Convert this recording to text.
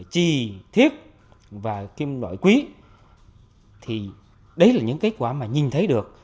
chi thiết và kim nội quý thì đấy là những kết quả mà nhìn thấy được